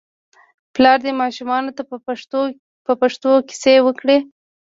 پلار دې ماشومانو ته په پښتو کیسې وکړي.